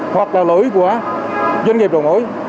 hoặc là lỗi của doanh nghiệp đầu mối